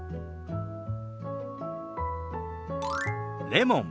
「レモン」。